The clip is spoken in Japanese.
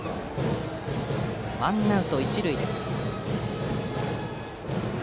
ワンアウト、一塁です。